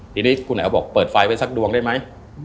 ทีนี้คุณแอ๋วบอกเปิดไฟไว้สักดวงได้ไหม